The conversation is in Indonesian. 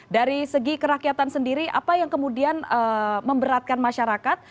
dari segi kerakyatan sendiri apa yang kemudian memberatkan masyarakat